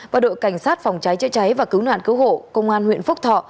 và đội cảnh sát phòng cháy chữa cháy và cứu nạn cứu hộ công an huyện phúc thọ